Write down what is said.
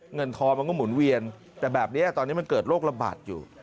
เงินทอมันก็หมุนเวียนแต่แบบนี้ตอนนี้มันเกิดโรคระบาดอยู่